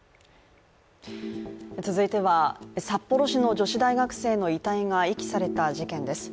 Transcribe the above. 続いては、札幌市の女子大学生の遺体が遺棄された事件です。